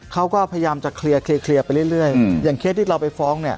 เขาก็พยายามจะเคลียร์ไปเรื่อยอย่างเคสที่เราไปฟ้องเนี่ย